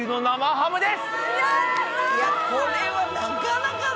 生ハム。